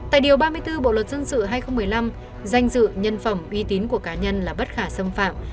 tại điều ba mươi bốn bộ luật dân sự hai nghìn một mươi năm danh dự nhân phẩm uy tín của cá nhân là bất khả xâm phạm